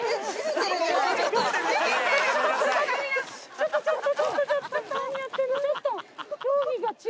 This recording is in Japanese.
ちょっとちょっと！